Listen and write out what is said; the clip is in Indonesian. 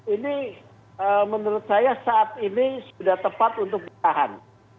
ini menurut saya saat ini sudah tepat untuk ditahan